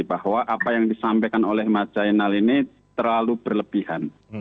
bahwa apa yang disampaikan oleh mas zainal ini terlalu berlebihan